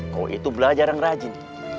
kau itu belajar yang rajin